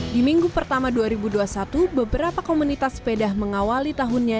di minggu pertama dua ribu dua puluh satu beberapa komunitas sepeda mengawali tahunnya